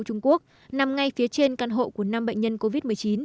trung quốc nằm ngay phía trên căn hộ của năm bệnh nhân covid một mươi chín